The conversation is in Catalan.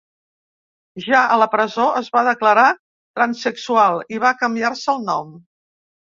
Ja a la presó, es va declarar transsexual i va canviar-se el nom.